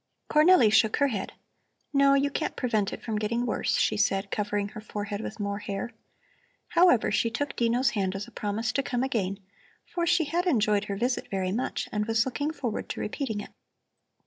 Cornelli shook her head. "No, you can't prevent it from getting worse," she said, covering her forehead with more hair. However, she took Dino's hand as a promise to come again, for she had enjoyed her visit very much and was looking forward to repeating it.